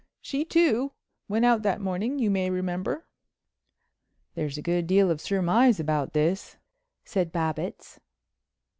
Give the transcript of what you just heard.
She, too, went out that morning, you may remember." "There's a good deal of surmise about this," said Babbitts.